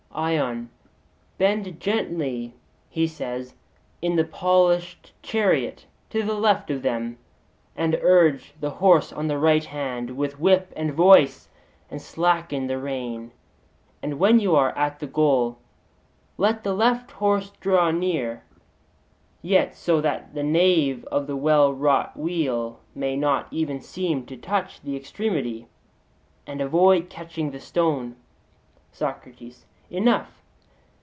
ION: 'Bend gently,' he says, 'in the polished chariot to the left of them, and urge the horse on the right hand with whip and voice; and slacken the rein. And when you are at the goal, let the left horse draw near, yet so that the nave of the well wrought wheel may not even seem to touch the extremity; and avoid catching the stone (Il.).' SOCRATES: Enough.